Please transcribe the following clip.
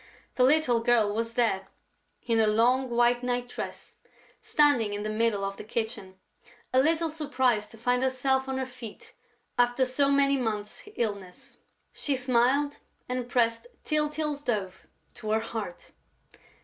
The little girl was there, in her long white night dress, standing in the middle of the kitchen, a little surprised to find herself on her feet after so many months' illness. She smiled and pressed Tyltyl's dove to her heart.